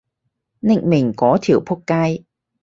匿名嗰條僕街